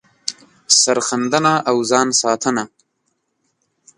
سر ښندنه او ځان ساتنه